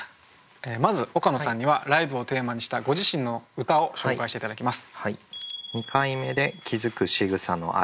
まず岡野さんには「ライブ」をテーマにしたご自身の歌を紹介して頂きます。